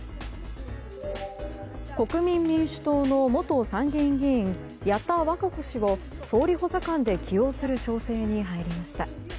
国民民主党の元参議院議員矢田稚子氏を総理補佐官で起用する調整に入りました。